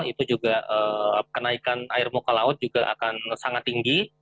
itu juga kenaikan air muka laut juga akan sangat tinggi